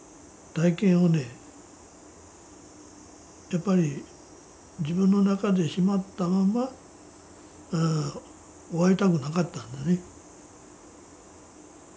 やっぱり自分の中でしまったまま終わりたくなかったんだね。